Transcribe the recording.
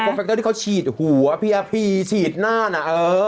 ครับแฟคเตอร์ที่เขาฉีดหัวพี่พี่ฉีดหน้าได้